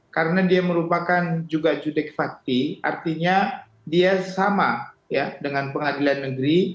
karena dia merupakan juga judik fakti artinya dia sama dengan pengadilan negeri